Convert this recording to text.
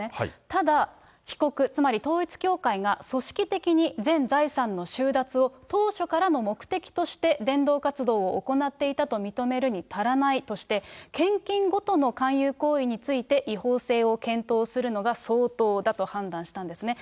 ただ、被告、つまり統一教会が組織的に全財産の収奪を当初からの目的として伝道活動を行っていたと認めるに足らないとして、献金ごとの勧誘行為について違法性を検討するのが相当だと判断したんですね。